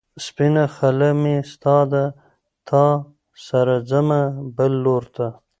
سپينه خلۀ مې ستا ده، تا سره ځمه بل لور ته